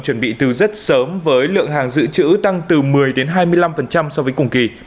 chuẩn bị từ rất sớm với lượng hàng dự trữ tăng từ một mươi hai mươi năm so với cùng kỳ